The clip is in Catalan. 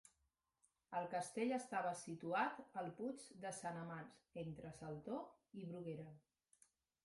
El castell estava situat al puig de Sant Amanç entre Saltor i Bruguera.